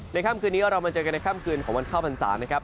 ค่ำคืนนี้เรามาเจอกันในค่ำคืนของวันเข้าพรรษานะครับ